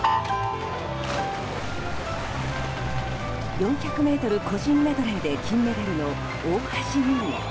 ４００ｍ個人メドレーで金メダルの大橋悠依。